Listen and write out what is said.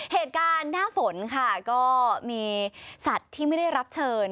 เหตุการณ์หน้าฝนค่ะก็มีสัตว์ที่ไม่ได้รับเชิญ